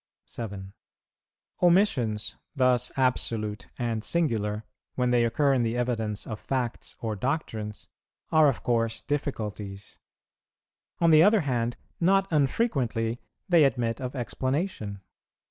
7. Omissions, thus absolute and singular, when they occur in the evidence of facts or doctrines, are of course difficulties; on the other hand, not unfrequently they admit of explanation.